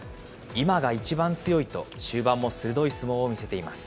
今が一番強いと、終盤も鋭い相撲を見せています。